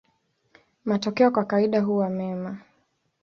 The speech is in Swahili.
Matokeo kwa kawaida huwa mema.